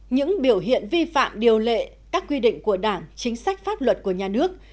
những biểu hiện vi phạm điều lệ các quy định của đảng chính sách pháp luật của nhà nước